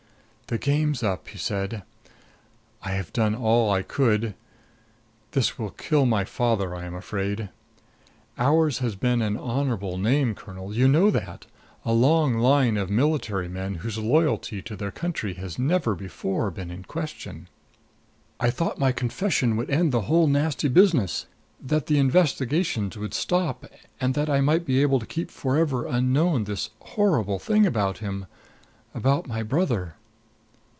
"The game's up," he said. "I have done all I could. This will kill my father, I am afraid. Ours has been an honorable name, Colonel; you know that a long line of military men whose loyalty to their country has never before been in question. I thought my confession would end the whole nasty business, that the investigations would stop, and that I might be able to keep forever unknown this horrible thing about him about my brother."